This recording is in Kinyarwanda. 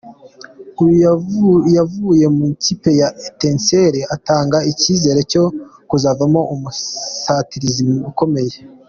Uyu yavuye mu ikipe ya Ettincelles atanga icyizere cyo kuzavamo umusatirizi ukomeye.